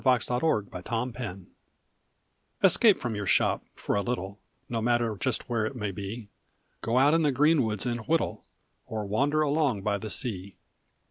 62 ] THE ESCAPE ESCAPE from your shop for a little, No matter just where it may be. Go out in the green woods and whittle, Or wander along by the sea.